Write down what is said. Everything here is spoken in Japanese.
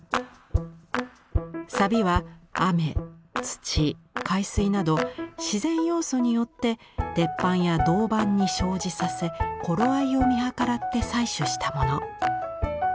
錆は雨土海水など自然要素によって鉄板や銅板に生じさせ頃合いを見計らって採取したもの。